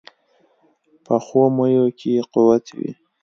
پخو میوو کې قوت وي